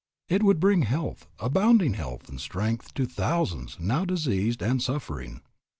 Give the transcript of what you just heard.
It would bring health, abounding health and strength to thousands now diseased and suffering.